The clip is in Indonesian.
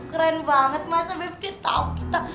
keren banget masa beb beb tau kita